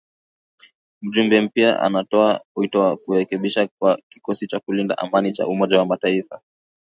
Mjumbe mpya anatoa wito wa kurekebishwa kwa kikosi cha kulinda amani cha umoja wa mataifa